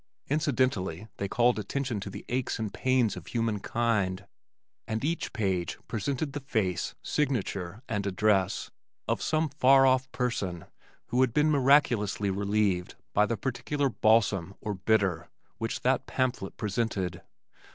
Incidentally they called attention to the aches and pains of humankind, and each page presented the face, signature and address of some far off person who had been miraculously relieved by the particular "balsam" or "bitter" which that pamphlet presented.